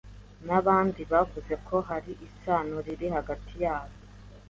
nabandi bavuze ko hari isano riri hagati ya Bo